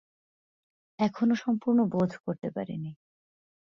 এখনো সম্পূর্ণ বোধ করতে পারি নি।